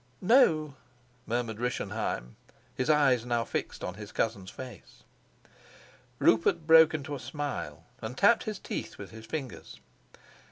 "No," murmured Rischenheim, his eyes now fixed on his cousin's face. Rupert broke into a smile and tapped his teeth with his fingers.